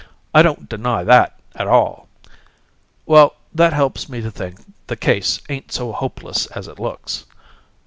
I don't deny that, at all. Well, that helps me to think the case ain't so hopeless as it looks.